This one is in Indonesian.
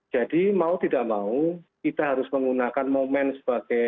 jadi mau tidak mau kita harus menggunakan ekosistem yang lebih baik